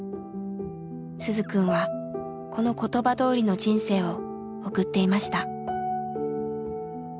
鈴くんはこの言葉どおりの人生を送っていました。